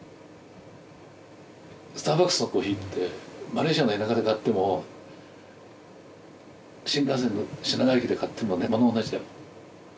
スターバックスのコーヒーってマレーシアの田舎で買っても新幹線の品川駅で買ってもものは同じだよ。